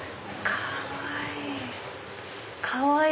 かわいい！